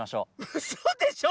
うそでしょ！